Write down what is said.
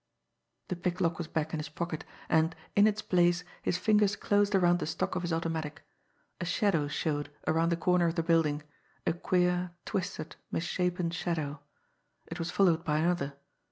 The picklock was back in his pocket, and, in its place, his fingers closed around the stock of his automatic. A shadow showed around the corner of the building, a queer, twisted, misshapen shadow it was followed by another.